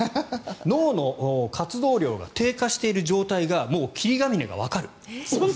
脳の活動量が低下している状態がもう霧ヶ峰がわかる。